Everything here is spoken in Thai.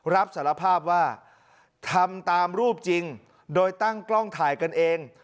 รับสารภาพว่าทำตามรูปจริงโดยตั้งกล้องถ่ายกันเอง